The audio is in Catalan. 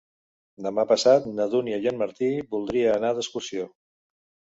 Demà passat na Dúnia i en Martí voldria anar d'excursió.